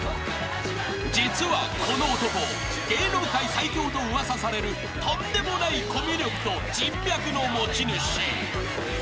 ［実はこの男芸能界最強と噂されるとんでもないコミュ力と人脈の持ち主］